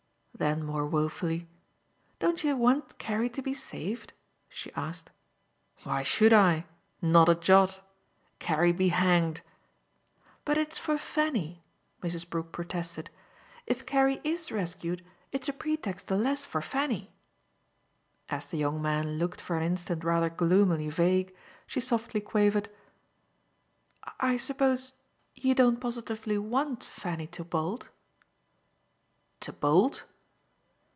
Then more woefully, "Don't you want Carrie to be saved?" she asked. "Why should I? Not a jot. Carrie be hanged!" "But it's for Fanny," Mrs. Brook protested. "If Carrie IS rescued it's a pretext the less for Fanny." As the young man looked for an instant rather gloomily vague she softly quavered: "I suppose you don't positively WANT Fanny to bolt?" "To bolt?"